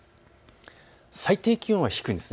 最低気温も低いんです。